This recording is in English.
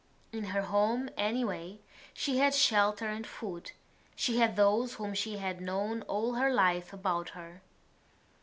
In her home anyway she had shelter and food; she had those whom she had known all her life about her.